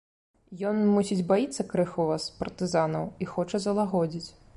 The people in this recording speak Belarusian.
Ён, мусіць, баіцца крыху вас, партызанаў, і хоча залагодзіць.